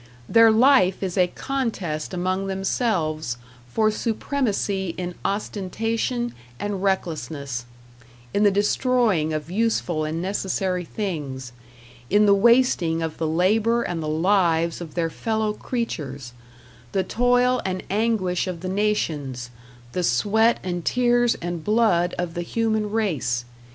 Their life is a contest among themselves for supremacy in ostentation and recklessness, in the destroying of useful and necessary things, in the wasting of the labor and the lives of their fellow creatures, the toil and anguish of the nations, the sweat and tears and blood of the human race!